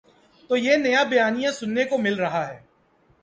تو یہ نیا بیانیہ سننے کو مل رہا ہے۔